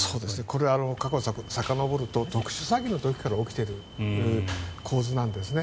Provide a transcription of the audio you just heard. これは過去をさかのぼると特殊詐欺の時から起きている構図なんですね。